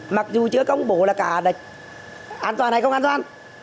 mặc dù chưa công bố là cả là an toàn hay không an toàn